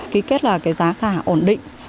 ký kết là giá cả ổn định